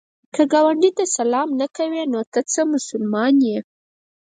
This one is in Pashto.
که ګاونډي ته سلام نه کوې، نو ته څه مسلمان یې؟